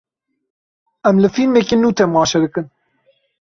Em li fîlmekî nû temaşe dikin.